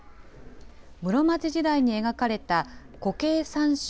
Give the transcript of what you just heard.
室町時代に描かれた虎渓三笑